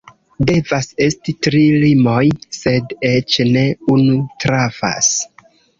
Devas esti tri rimoj, sed eĉ ne unu trafas.